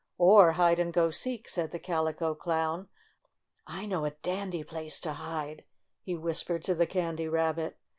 "Or hide and go seek!" said the Calico Clown. "I know a dandy place to hide," he whispered to the Candy Rabbit.